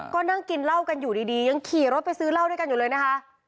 ก็นั่งกินเหล้ากันอยู่ดียังขี่รถไปซื้อเหล้าด้วยกันอยู่เลยนะคะ